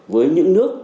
với những nước